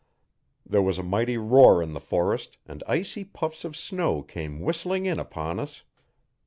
There was a mighty roar in the forest and icy puffs of snow came whistling in upon us.